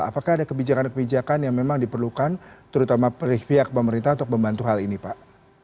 apakah ada kebijakan kebijakan yang memang diperlukan terutama pihak pemerintah untuk membantu hal ini pak